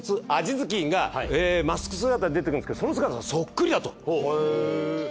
頭巾がマスク姿で出てくるんですけどその姿がそっくりだと。